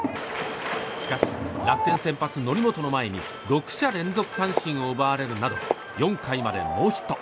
しかし楽天先発、則本の前に６者連続三振を奪われるなど４回までノーヒット。